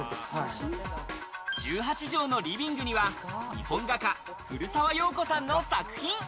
１８畳のリビングには、日本画家・古澤洋子さんの作品。